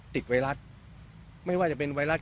ไวรัสไม่ว่าจะเป็นไวรัส